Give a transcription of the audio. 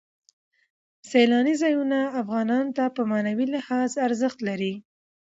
سیلاني ځایونه افغانانو ته په معنوي لحاظ ارزښت لري.